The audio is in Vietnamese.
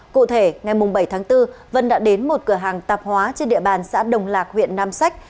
cụ thể ngày bảy tháng bốn vân đã đến một cửa hàng tạp hóa trên địa bàn xã đồng lạc huyện nam sách